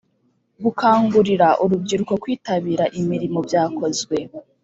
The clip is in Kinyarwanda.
Gukangurira urubyiruko kwitabira imirimo byakozwe.